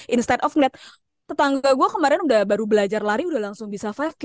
insight of ngeliat tetangga gue kemarin udah baru belajar lari udah langsung bisa lima k